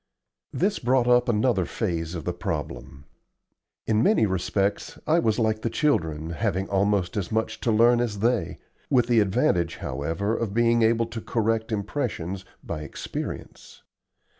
This brought up another phase of the problem. In many respects I was like the children, having almost as much to learn as they with the advantage, however, of being able to correct impressions by experience.